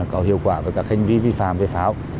có hiệu quả với các hành vi vi phạm về pháo